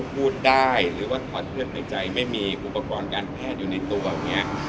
พูดได้หรือว่าถอดเครื่องหายใจไม่มีอุปกรณ์การแพทย์อยู่ในตัวอย่างนี้